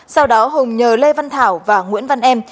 sau đó hùng nhờ lê văn thảo và nguyễn văn em